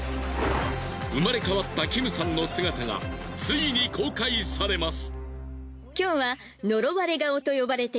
生まれ変わったキムさんの姿がついに公開されます！